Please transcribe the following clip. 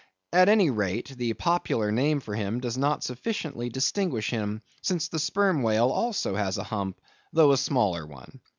At any rate, the popular name for him does not sufficiently distinguish him, since the sperm whale also has a hump though a smaller one.